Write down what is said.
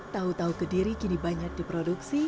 tahu tahu ke diri kini banyak diproduksi